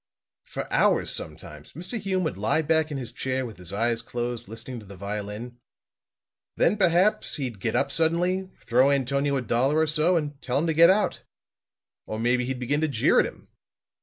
For hours, sometimes, Mr. Hume would lie back in his chair with his eyes closed listening to the violin. Then, perhaps, he'd get up suddenly, throw Antonio a dollar or so and tell him to get out. Or maybe he'd begin to jeer at him.